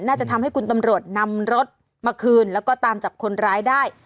น่าจะทำให้คุณตำรวจนำรถมาคืนแล้วก็ตามจับคนร้ายได้